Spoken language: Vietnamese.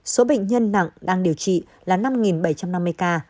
số bệnh nhân nặng đang điều trị là năm bảy trăm năm mươi ca